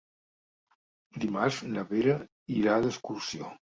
Dimarts na Vera irà d'excursió.